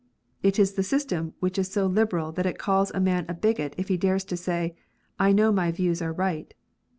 It is the system which is so liberal that it calls a man a bigot if he dares to say, " I know my views are right."